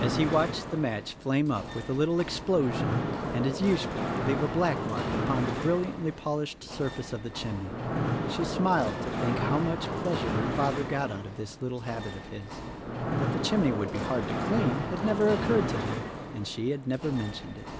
As he watched the match flame up with a little explosion and, as usual, leave a black mark upon the brilliantly pol ished surface of the chimney, she smiled to think how much pleasure her father got out of this little habit of his. That the chimney would be hard to clean had never occurred to him, and she had never mentioned it.